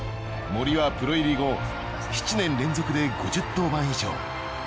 森はプロ入り後７年連続で５０登板以上。